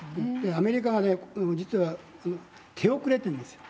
アメリカが実は手遅れてるんです。